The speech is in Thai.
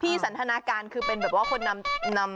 สันทนาการคือเป็นแบบว่าคนนำ